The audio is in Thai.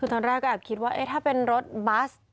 คือตอนแรกก็แอบคิดว่าถ้าเป็นรถบัส